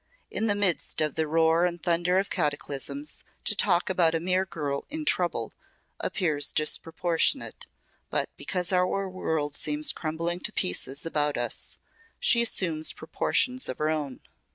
In the midst of the roar and thunder of cataclysms to talk about a mere girl 'in trouble' appears disproportionate. But because our world seems crumbling to pieces about us she assumes proportions of her own.